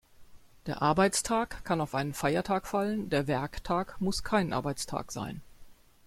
Der Arbeitstag kann auf einen Feiertag fallen, der Werktag muss kein Arbeitstag sein.